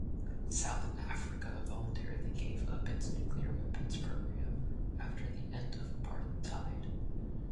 South Africa voluntarily gave up its nuclear weapons programme after the end of apartheid.